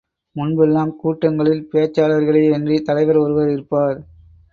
முன்பெல்லாம் கூட்டங்களில் பேச்சாளர்களேயன்றித் தலைவர் ஒருவர் இருப்பார்.